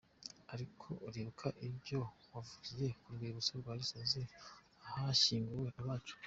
Ariko uribuka ibyo wavugiye ku Rwibutso rwa Gisozi ahashyinguye abacu?